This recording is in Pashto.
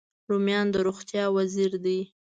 رومیان د روغتیا وزیر دی